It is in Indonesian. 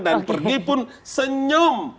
dan pergi pun senyum